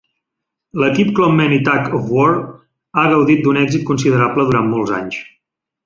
L"equip Clonmany Tug of War ha gaudit d"un èxit considerable durant molts anys.